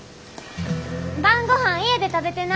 晩ごはん家で食べてな！